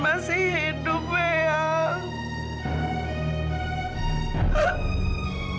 tuhan masih hidup peah